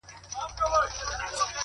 چي زه به څرنگه و غېږ ته د جانان ورځمه،